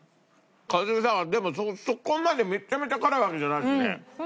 一茂さんでもそこまでめちゃめちゃ辛いわけじゃないですね。